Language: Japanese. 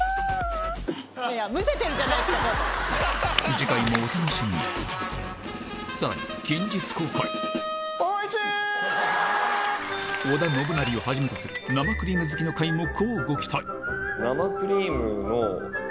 次回もお楽しみにさらに織田信成をはじめとする生クリーム好きの会も乞うご期待！